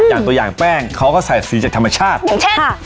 อย่างตัวอย่างแป้งเขาก็ใส่สีจากธรรมชาติอย่างเช่นค่ะ